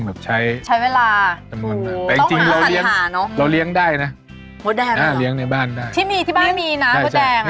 น้ำปลาร้าต้มสุก